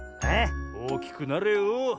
おおきくなれよ。